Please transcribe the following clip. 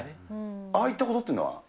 ああいったことっていうのは？